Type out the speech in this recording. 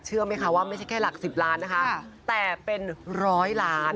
เชื่อไหมคะว่าไม่ใช่แค่หลัก๑๐ล้านนะคะแต่เป็นร้อยล้าน